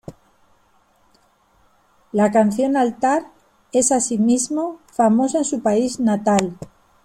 La canción "Altar" es, asimismo, famosa en su país natal.